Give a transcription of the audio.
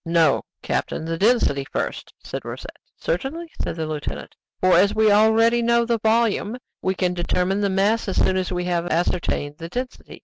"No, captain, the density first," said Rosette. "Certainly," said the lieutenant; "for, as we already know the volume, we can determine the mass as soon as we have ascertained the density."